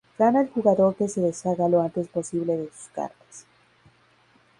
Gana el jugador que se deshaga lo antes posible de sus cartas.